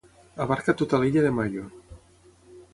Abarca tota l'illa de Maio.